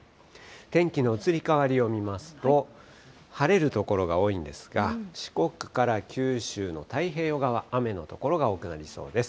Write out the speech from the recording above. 天気の移り変わりを見ますと、晴れる所が多いんですが、四国から九州の太平洋側、雨の所が多くなりそうです。